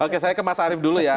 oke saya ke mas arief dulu ya